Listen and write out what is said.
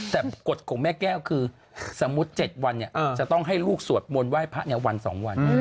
แต่กฎของแม่แก้วคือสมมุติ๗วันจะต้องให้ลูกสวดมนต์ไห้พระในวัน๒วัน